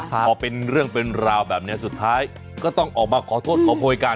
พอเป็นเรื่องเป็นราวแบบนี้สุดท้ายก็ต้องออกมาขอโทษขอโพยกัน